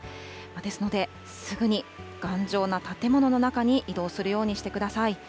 ですので、すぐに頑丈な建物の中に移動するようにしてください。